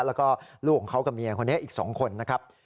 แล้วก็ลูกของเขากับเมียคนนี้อีก๒คนนะครับ